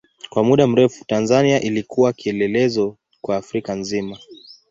Kwa muda mrefu Tanzania ilikuwa kielelezo kwa Afrika nzima.